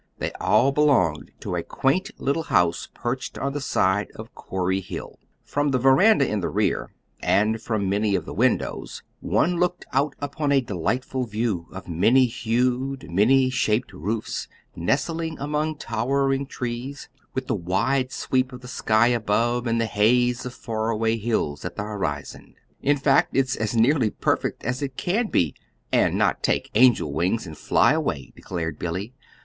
They all belonged to a quaint little house perched on the side of Corey Hill. From the veranda in the rear, and from many of the windows, one looked out upon a delightful view of many hued, many shaped roofs nestling among towering trees, with the wide sweep of the sky above, and the haze of faraway hills at the horizon. "In fact, it's as nearly perfect as it can be and not take angel wings and fly away," declared Billy.